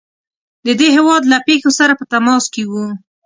د دې هیواد له پیښو سره په تماس کې وو.